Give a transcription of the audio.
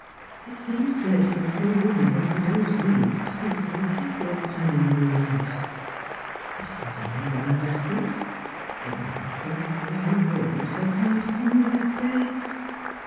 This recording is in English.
It seems dreadful for a woman in widow's weeds to be so happy and planning a new life; but it is only going backwards. O, Malcolm, why were you so hard upon me that day